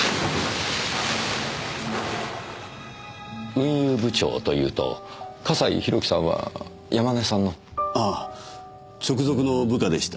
運輸部長というと笠井宏樹さんは山根さんの。ああ直属の部下でした。